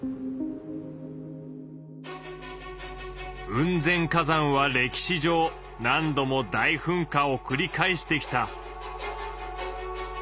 雲仙火山は歴史上何度も大噴火をくり返してきた。